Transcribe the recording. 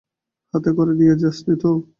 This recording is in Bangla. হাতে করে নিয়ে যাস নি তো?